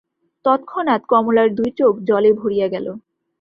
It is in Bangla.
তৎক্ষণাৎ কমলার দুই চোখ জলে ভরিয়া গেল।